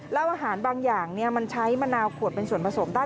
แล้วอาหารบางอย่างมันใช้มะนาวขวดเป็นส่วนผสมได้